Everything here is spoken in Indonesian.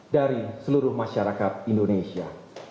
dari seluruh masyarakat indonesia